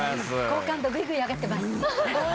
好感度ぐいぐい上がってます。